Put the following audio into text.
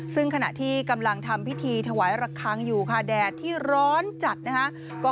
ซึ่งขณะที่กำลังทำพิธีถวายระคังอยู่ค่ะแดดที่ร้อนจัดนะคะ